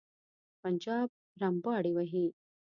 پنجاب رمباړې وهي.